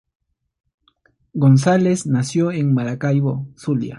González nació en Maracaibo, Zulia.